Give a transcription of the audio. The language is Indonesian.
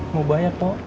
mau bayar pok